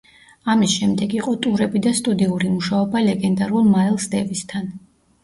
ამის შემდეგ იყო ტურები და სტუდიური მუშაობა ლეგენდარულ მაილს დევისთან.